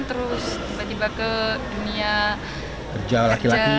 terus tiba tiba ke dunia kerja laki laki